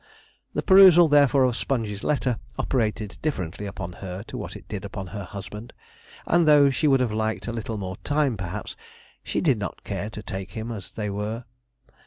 The perusal, therefore, of Sponge's letter, operated differently upon her to what it did upon her husband, and though she would have liked a little more time, perhaps, she did not care to take him as they were.